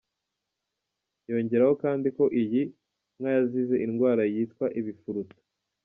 Yongeraho kandi ko iyi nka yazize indwara yitwa "ibifuruta".